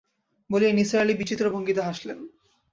বলেই নিসার আলি বিচিত্র ভঙ্গিতে হাসলেন।